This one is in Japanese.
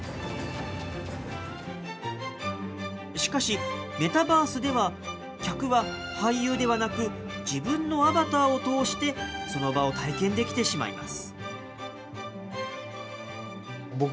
しかし、メタバースでは客は俳優ではなく、自分のアバターを通して、その場を体験できてしまいます。